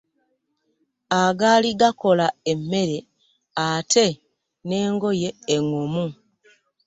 Agaali gakola emmere ate n’engoye engumu.